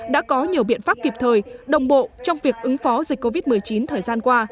đã có nhiều biện pháp kịp thời đồng bộ trong việc ứng phó dịch covid một mươi chín thời gian qua